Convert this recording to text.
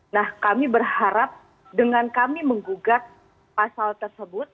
nah kami berharap dengan kami menggugat pasal tersebut